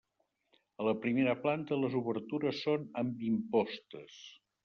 A la primera planta les obertures són amb impostes.